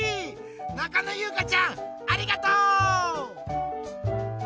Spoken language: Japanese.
なかのゆうかちゃんありがとう！